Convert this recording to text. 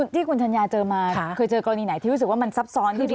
ที่คุณธัญญาเจอมาเคยเจอกรณีไหนที่รู้สึกว่ามันซับซ้อนที่สุด